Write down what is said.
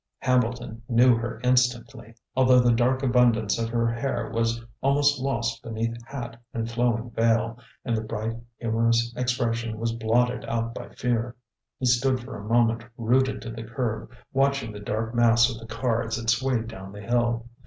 Hambleton knew her instantly, although the dark abundance of her hair was almost lost beneath hat and flowing veil, and the bright, humorous expression was blotted out by fear. He stood for a moment rooted to the curb, watching the dark mass of the car as it swayed down the hill.